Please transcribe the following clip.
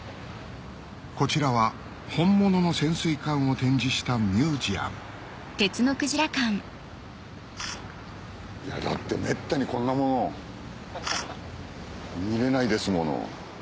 こちらは本物の潜水艦を展示したミュージアムだってめったにこんなもの見れないですもの。